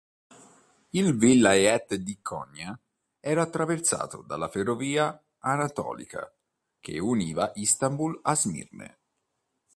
Il vilayet di Konya era attraversato dalla ferrovia anatolica che univa Istanbul a Smirne.